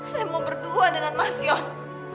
saya mau berdua dengan mas yos